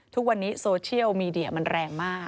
ทุกวันนี้โซเชียลมีเดียมันแรงมาก